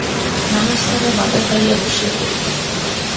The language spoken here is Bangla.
নানা স্থানে বাধা পাইয়া বসিয়া পড়িল।